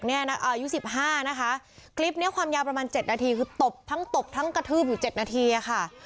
อายุ๑๕นะคะคลิปนี้ความยาวประมาณ๗นาทีคือตบทั้งตบทั้งกระทืบอยู่๗นาทีอะค่ะ